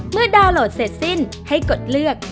ดาวน์โหลดเสร็จสิ้นให้กดเลือก